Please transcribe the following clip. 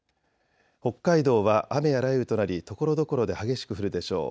北海道は雨や雷雨となりところどころで激しく降るでしょう。